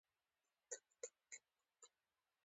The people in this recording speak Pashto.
فرمان